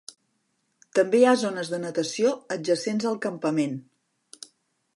També hi ha zones de natació adjacents al campament.